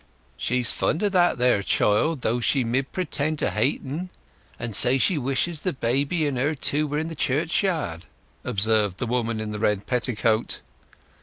"She's fond of that there child, though she mid pretend to hate en, and say she wishes the baby and her too were in the churchyard," observed the woman in the red petticoat.